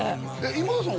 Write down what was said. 今田さん